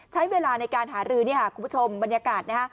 ใช้เวลาในการหารือคุณผู้ชมบรรยากาศ